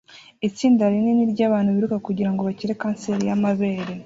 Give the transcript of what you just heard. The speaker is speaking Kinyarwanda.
Itsinda rinini ryabantu biruka kugirango bakire kanseri yamabere